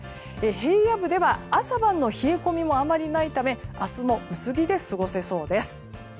平野部では朝晩の冷え込みもあまりないため明日も薄着で過ごせそうです。